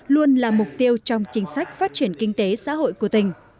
luôn là mục tiêu trong chính sách phát triển